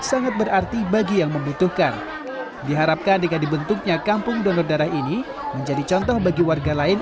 ditutupkan diharapkan dengan dibentuknya kampung donor darah ini menjadi contoh bagi warga lain